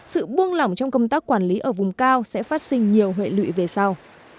sự buông lỏng trong công tác quản lý ở vùng cao sẽ phát sinh nhiều hệ lụy về sau